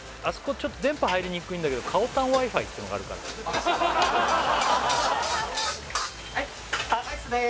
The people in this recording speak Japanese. ちょっと電波入りにくいんだけどかおたんＷｉ−Ｆｉってのがあるからそうなんだはいライスです